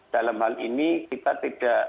dalam hal ini kita tidak